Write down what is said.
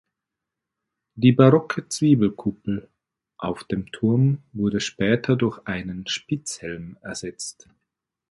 Die barocke Zwiebelkuppel auf dem Turm wurde später durch einen Spitzhelm ersetzt.